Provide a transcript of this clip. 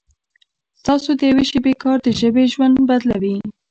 ستاسو د یوې شېبې کار د ژبې ژوند بدلوي.